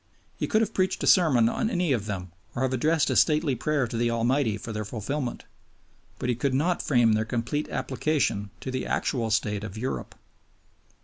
He could have preached a sermon on any of them or have addressed a stately prayer to the Almighty for their fulfilment; but he could not frame their concrete application to the actual state of Europe.